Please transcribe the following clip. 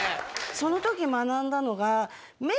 その時学んだのが。